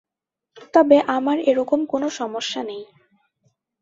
তবে আমার এরকম কোনো সমস্যা নেই!